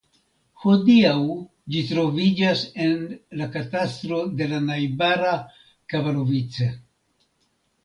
Hodiaŭ ĝi troviĝas en la katastro de la najbara Kovalovice.